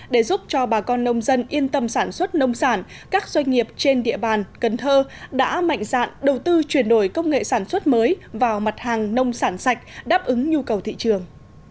để giúp cho bà con nông dân yên tâm sản xuất nông sản các doanh nghiệp trên địa bàn cần thơ đã mạnh dạn đầu tư chuyển đổi công nghệ sản xuất mới vào mặt hàng nông sản sạch đáp ứng nhu cầu thị trường